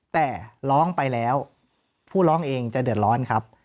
แต่ร้องไปแล้วผู้ร้องเองจะเดือดร้อนครับ